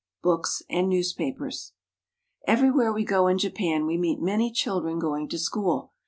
BOOKS AND NEWSPAPERS EVERYWHERE we go in Japan we meet many children going to school.